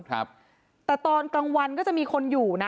ครับแต่ตอนกลางวันก็จะมีคนอยู่นะ